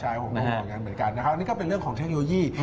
อันนี้ก็เป็นเรื่องของเทคโนโลยี